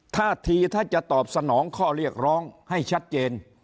ท่าทีถ้าจะตอบสนองข้อเรียกร้องให้ชัดเจน